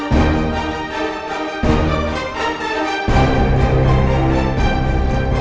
fusena aku ingin menikah denganmu